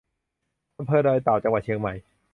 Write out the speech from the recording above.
อำเภอดอยเต่า จังหวัดเชียงใหม่